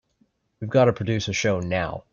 We've got to produce a show now.